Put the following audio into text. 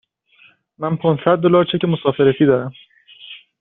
من پانصد دلار چک مسافرتی دارم.